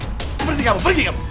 seperti kamu pergi kamu